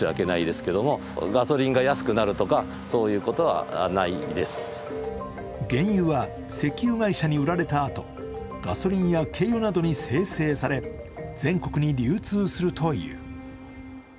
油田の担当者は原油は石油会社に売られたあと、ガソリンや軽油などに精製され、全国に流通するという。